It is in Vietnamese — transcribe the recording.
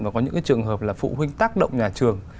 và có những cái trường hợp là phụ huynh tác động nhà trường